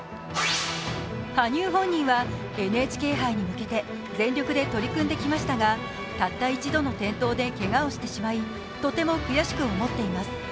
羽生本人はＮＨＫ杯に向けて全力で取り組んできましたがたった１度の転倒でけがをしてしまい、とても悔しく思っています。